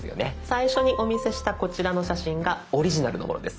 最初にお見せしたこちらの写真がオリジナルのものです。